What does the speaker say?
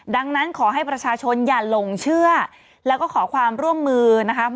ดังนั้นขอให้ประชาชนอย่าหลงเชื่อแล้วก็ขอความร่วมมือนะคะ